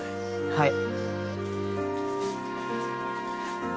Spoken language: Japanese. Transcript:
はい。